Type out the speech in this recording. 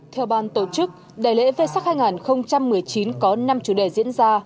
theo ban tổ chức đại lễ vê sắc hai nghìn một mươi chín có năm chủ đề diễn ra